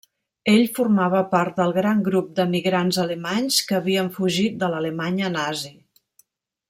Ell formava part del gran grup d'emigrants alemanys que havien fugit de l'Alemanya Nazi.